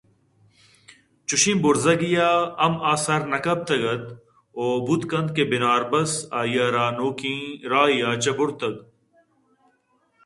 چوشیں برُزگے ءَ ہم آ سر نہ کپتگ ات ءُبوت کنت کہ بناربس آئی ءَ را نوکیں راہ ئے ءَ چہ برتگ